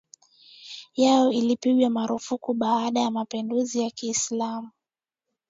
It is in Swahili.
yao ilipigwa marufuku baada ya mapinduzi ya Kiislamu